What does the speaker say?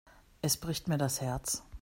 Es bricht mir das Herz.